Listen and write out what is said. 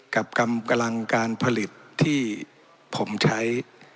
กำลังการผลิตที่ผมใช้